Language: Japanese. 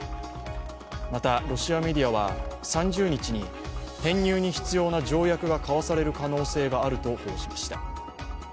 またロシアメディアは、３０日に編入に必要な条約が交わされる可能性があると報じました。